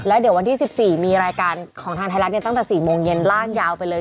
แล้วเดี๋ยววันที่๑๔มีรายการของทางไทยรัฐตั้งแต่๔โมงเย็นล่างยาวไปเลย